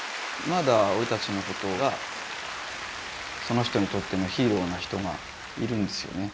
まだ俺たちのことがその人にとってのヒーローな人がいるんですよね。